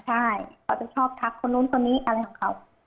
ใช่เขาจะชอบทักคนนู้นคนนี้อะไรของเขา